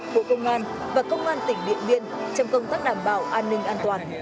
của công an và công an tỉnh điện biên trong công tác đảm bảo an ninh an toàn